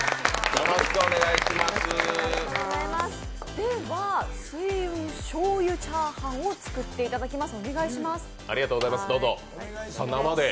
では、翠雲醤油チャーハンを作っていただきます。